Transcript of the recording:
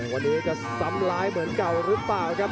วันนี้จะซ้ำร้ายเหมือนเก่าหรือเปล่าครับ